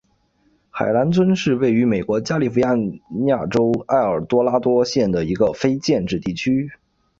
海兰村是位于美国加利福尼亚州埃尔多拉多县的一个非建制地区。